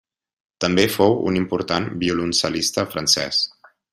També fou un important violoncel·lista francès.